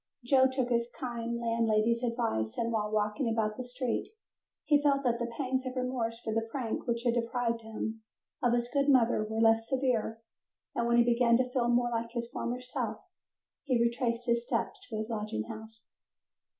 Joe took his kind landlady's advice, and while walking about the streets he felt that the pangs of remorse for the prank which had deprived him of his good mother were less severe, and when he began to feel more like his former self he retraced his steps to his lodging house.